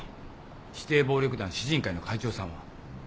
指定暴力団獅靭会の会長さんは。